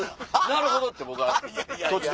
なるほど！って僕は途中で。